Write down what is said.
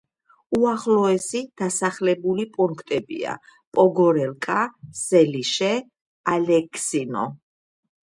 უახლოესი დასახლებული პუნქტებია: პოგორელკა, სელიშე, ალეკსინო.